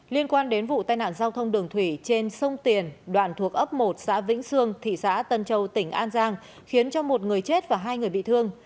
liên quan đến vụ tai nạn giao thông đường thủy trên sông tiền đoạn thuộc ấp một xã vĩnh sương thị xã tân châu tỉnh an giang khiến cho một người chết và hai người bị thương